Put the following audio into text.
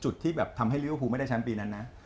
ที่แบบทำให้ลิเวอร์พูไม่ได้แชมป์ปีนั้นนะ